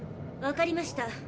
わかりました。